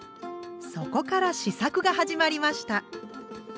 そこから試作が始まりました。